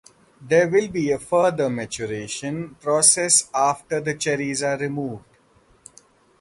There will be a further maturation process after the cherries are removed.